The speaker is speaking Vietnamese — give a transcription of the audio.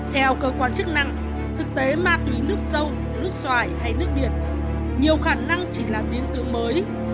theo cơ quan chức năng thực tế ma túy nước sâu nước xoài hay nước biển nhiều khả năng chỉ là biến tướng mới